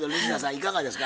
いかがですか？